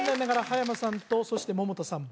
葉山さんとそして百田さん